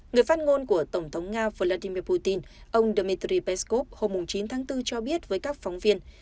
người phát ngôn của tổng thống nga vladimir putin ông dmitry peskov hôm chín tháng bốn cho biết với các phóng viên